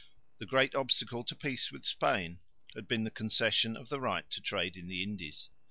The great obstacle to peace with Spain had been the concession of the right to trade in the Indies.